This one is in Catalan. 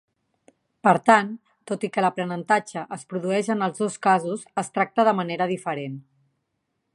Per tant, tot i que l'aprenentatge es produeix en els dos casos, es tracta de manera diferent.